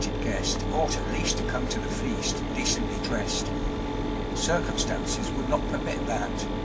The self invited guest ought at least to come to the feast decently dressed. Circumstances would not permit that.